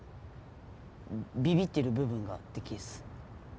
ビビってる部分が、でけえっす。